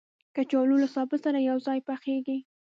کچالو له سابه سره یو ځای پخېږي